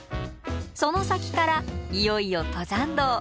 その先からいよいよ登山道。